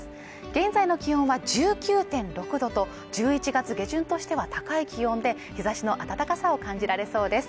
現在の気温は１９．６度と１１月下旬としては高い気温で日差しの暖かさを感じられそうです